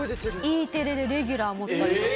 Ｅテレでレギュラー持ったりとか。